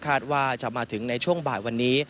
ว่าจะมาถึงในช่วงบ่ายวันนี้